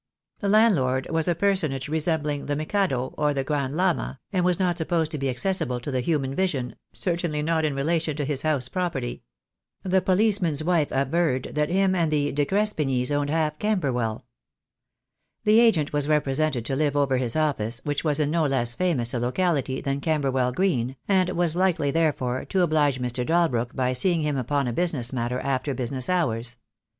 The landlord was a per sonage resembling the Mikado, or the Grand Llama, and was not supposed to be accessible to the human vision, certainly not in relation to his house property. The policeman's wife averred that "him and the De Crespignys owned half Camberwell." The agent was represented to live over his office, which was in no less famous a locality than Camberwell Green, and was likely, therefore, to oblige Mr. Dalbrook by seeing him upon a business matter after business hours.